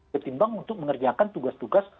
ketimbang untuk mengerjakan tugas tugas